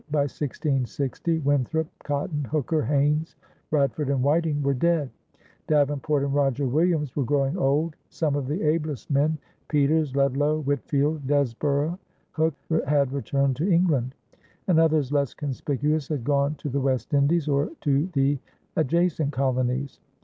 By 1660, Winthrop, Cotton, Hooker, Haynes, Bradford, and Whiting were dead; Davenport and Roger Williams were growing old; some of the ablest men, Peters, Ludlow, Whitfield, Desborough, Hooke, had returned to England, and others less conspicuous had gone to the West Indies or to the adjacent colonies.